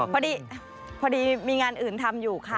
พอดีมีงานอื่นทำอยู่ค่ะ